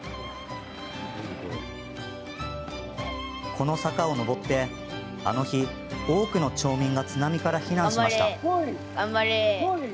この坂を上ってあの日、多くの町民が津波から避難しました。